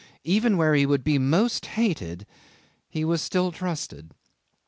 Even where he would be most hated he was still trusted.